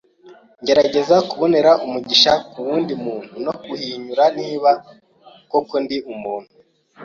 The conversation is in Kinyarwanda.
ngerageza kubonera umugisha ku wundi muntu no guhinyuza niba koko ndi umuntu